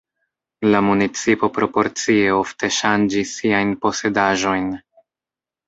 La municipo proporcie ofte ŝanĝis siajn posedaĵojn.